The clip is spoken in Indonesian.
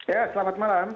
ya selamat malam